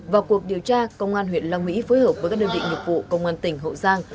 vào cuộc điều tra công an huyện long mỹ phối hợp với các đơn vị nghiệp vụ công an tỉnh hậu giang